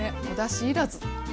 おだし要らず！